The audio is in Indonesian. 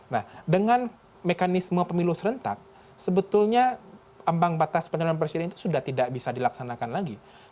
nah dengan mekanisme pemilu serentak sebetulnya ambang batas pencalonan presiden itu sudah tidak bisa dilaksanakan lagi